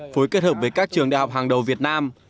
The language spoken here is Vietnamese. phối kết hợp với các trường đại học hàng đầu việt nam